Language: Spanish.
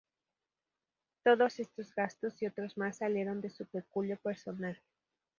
Todos estos gastos y otros más salieron de su peculio personal.